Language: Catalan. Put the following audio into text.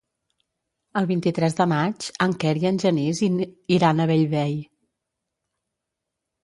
El vint-i-tres de maig en Quer i en Genís iran a Bellvei.